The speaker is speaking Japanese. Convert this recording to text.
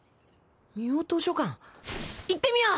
ミオ図書館行ってみよう！